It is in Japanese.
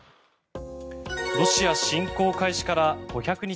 ロシア侵攻開始から５００日